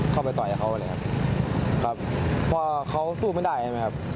เข้าไปต่อยเขาเลยครับพอเขาสู้ไม่ได้นะครับ